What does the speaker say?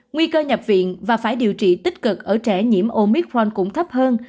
nguy cơ nhập viện và phải điều trị tích cực ở trẻ nhiễm omicron cũng thấp hơn